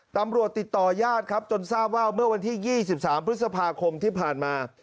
ตำรวจติดต่อญาติครับจนทราบว่าเมื่อวันที่๒๓พฤษภาคมที่ผ่านมา